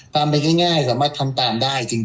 ทำไปง่ายสามารถทำตามได้จริง